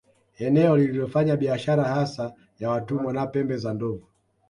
Eneo lililofanya biashara hasa ya watumwa na pembe za Ndovu